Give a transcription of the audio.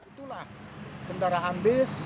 itulah kendaraan bus